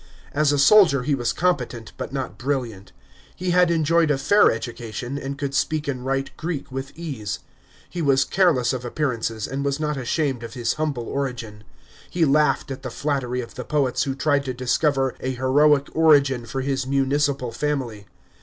As a soldier, he was competent, but not brilliant. He had enjoyed a fair education, and con Id speak and write Greek with ease. He was careless of appearances, and was not ashamed of his humble origin. He laughed at the flattery of the poets who tried to discover a heroic origin for his municipal family.